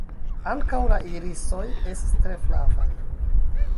Ankaŭ la irisoj estas tre flavaj.